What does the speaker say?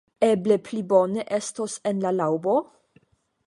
Eble pli bone estos en la laŭbo?